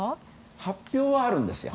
発表はあるんですよ。